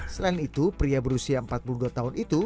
selain itu pria berusia empat puluh dua tahun itu